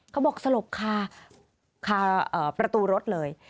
เขาบอกสลบค่าประตูรถเลย